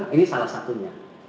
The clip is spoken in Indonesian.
ini salah satunya